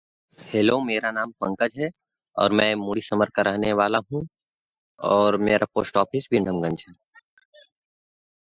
Other regulations apply.